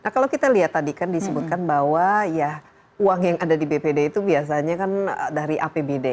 kalau kita lihat tadi kan disebutkan bahwa ya uang yang ada di bpd itu biasanya kan dari apbd